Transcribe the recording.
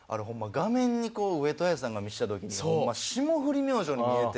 画面にこう上戸彩さんが見せた時にホンマ「霜降り明星」に見えて。